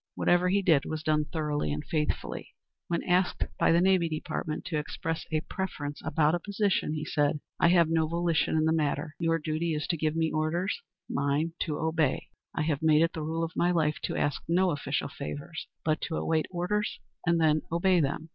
Whatever he did was done thoroughly and faithfully. When asked by the Navy Department to express a preference about a position, he said, "I have no volition in the matter; your duty is to give me orders, mine to obey.... I have made it the rule of my life to ask no official favors, but to await orders and then obey them."